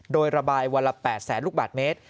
โดยระบายวันละ๘แสนลูกบาทเมตร